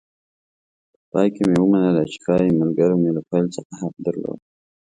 په پای کې مې ومنله چې ښایي ملګرو مې له پیل څخه حق درلود.